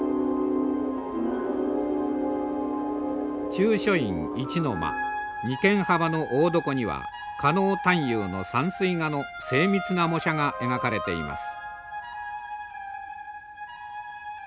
中書院一の間二間幅の大床には狩野探幽の山水画の精密な模写が描かれています。